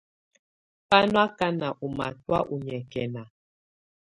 Bá nɔ́ ákáná ɔ́ matɔ̀á ɔ́ nyɛ́kɛna.